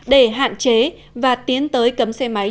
để hạn chế và tiến tới cấm xe máy